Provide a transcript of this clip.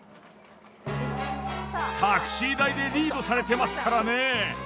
タクシー代でリードされてますからね。